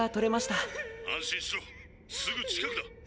「安心しろすぐ近くだ」。